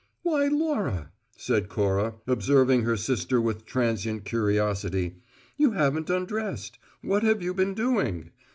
"Why, Laura," said Cora, observing her sister with transient curiosity, "you haven't undressed. What have you been doing?